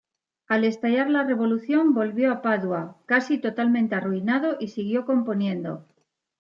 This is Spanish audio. Al estallar la Revolución, volvió a Padua, casi totalmente arruinado, y siguió componiendo.